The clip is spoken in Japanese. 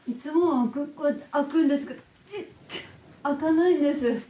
開かないです。